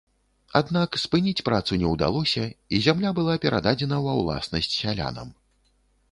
Аднак, спыніць працу не ўдалося і зямля была перададзена ва ўласнасць сялянам.